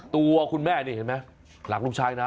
ตัวคุณแม่นี่เห็นไหมหลักลูกชายนะ